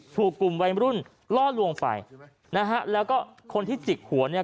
ถูกกลุ่มวัยรุ่นล่อลวงไปนะฮะแล้วก็คนที่จิกหัวเนี่ย